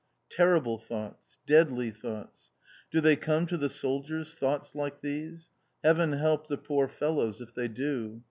Terrible thoughts ... deadly thoughts. Do they come to the soldiers, thoughts like these? Heaven help the poor fellows if they do!